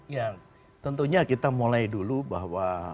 ya tentunya kita mulai dulu bahwa